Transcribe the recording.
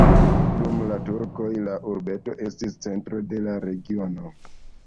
Dum la turkoj la urbeto estis centro de la regiono.